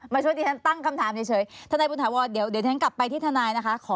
มาช่วยที่ฉันตั้งคำถามเฉยทนายบุญถาวรเดี๋ยวทนายกลับไปที่ทนายนะคะขอมาก่อน